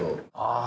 ああ。